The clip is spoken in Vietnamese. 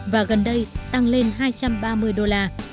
và gần đây tăng lên hai trăm ba mươi đô la